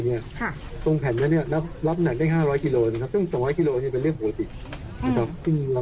ตรงแผ่นนี้รับหนังได้๕๐๐กิโลนะครับัน๒๐๐กิโลเป็นเรื่องประอบศีล